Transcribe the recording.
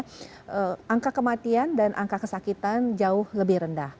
jadi angka kematian dan angka kesakitan jauh lebih rendah